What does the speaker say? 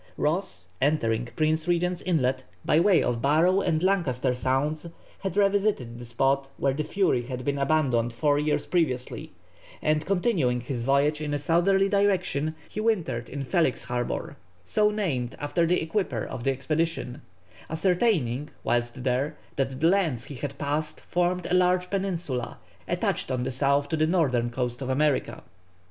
Ross, entering Prince Regent's Inlet, by way of Barrow and Lancaster Sounds, had revisited the spot where the Fury had been abandoned four years previously; and continuing his voyage in a southerly direction, he wintered in Felix Harbour so named after the equipper of the expedition ascertaining whilst there that the lands he had passed formed a large peninsula attached on the south to the northern coast of America.